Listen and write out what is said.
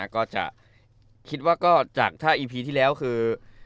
ก็จะคิดว่าก็จากถ้าอีพีที่แล้วคือ